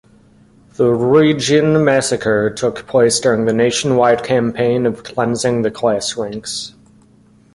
The Ruijin Massacre took place during the nationwide campaign of "Cleansing the Class Ranks".